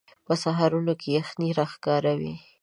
په سهارونو کې یخنۍ راښکاره وي